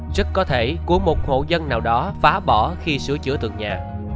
chất có thể của một hộ dân nào đó phá bỏ khi sửa chữa tượng nhà